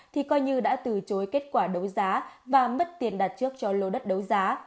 thì coi như đã từ chối kết quả đấu giá và mất tiền đặt trước cho lô đất đấu giá